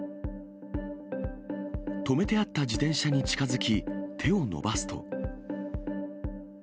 止めてあった自転車に近づき、手を伸ばすと。